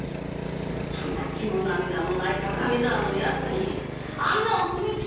あんな血も涙もない高見沢の奴にあんなお墨付き